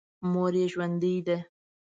مور یې ژوندۍ ده.